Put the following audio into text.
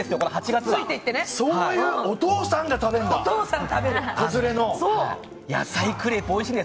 そういうお父さんが野菜クレープおいしいんで。